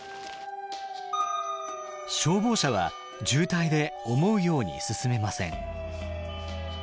消防車は渋滞で思うように進めません。